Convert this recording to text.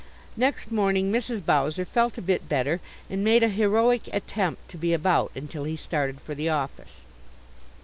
Next morning Mrs. Bowser felt a bit better and made a heroic attempt to be about until he started for the office.